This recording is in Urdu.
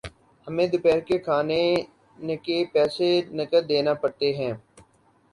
ہمیں دوپہر کے کھانےنکے پیسے نقد دینا پڑتے ہیں